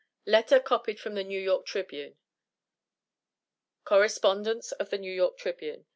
LETTER COPIED FROM THE NEW YORK TRIBUNE. [Correspondence of The N.Y. Tribune.